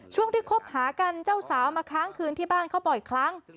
ช่วงที่คบหากันเจ้าสาวมาค้างคืนที่บ้านเขาบ่อยครั้ง